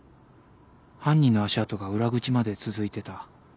犯人の足跡が裏口まで続いてた。